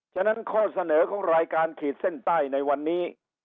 ฉะนั้นข้อเสนอของรายการขีดเส้นใต้ในวันนี้